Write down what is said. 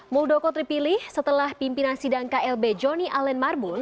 muldoko terpilih setelah pimpinan sidang klb joni allen marbun